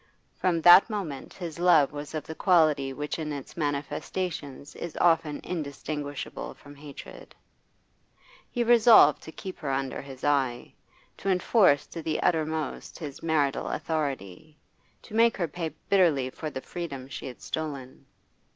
From that moment his love was of the quality which in its manifestations is often indistinguishable from hatred. He resolved to keep her under his eye, to enforce to the uttermost his marital authority, to make her pay bitterly for the freedom she had stolen.